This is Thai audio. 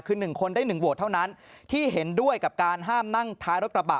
คือ๑คนได้๑โหวตเท่านั้นที่เห็นด้วยกับการห้ามนั่งท้ายรถกระบะ